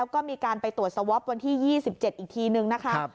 ก็มีการไปตรวจสวอปวันที่๒๗อีกทีนึงนะคะ